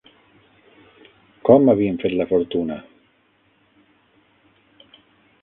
Com havien fet la fortuna